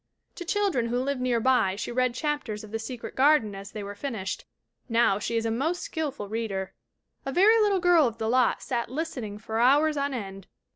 To children who live near by her she read chapters of The Secret Garden as they were finished. Now, she is a most skillful reader. A very little girl of the lot sat listening for hours on end.